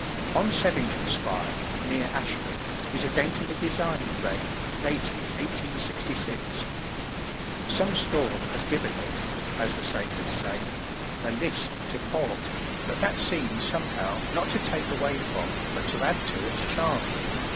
] On Sevington spire, near Ashford, is a daintily designed vane, dated 1866. Some storm has given it as the sailors say a list to port, but that seems somehow not to take away from but to add to its charm.